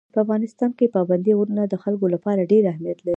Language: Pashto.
په افغانستان کې پابندي غرونه د خلکو لپاره ډېر اهمیت لري.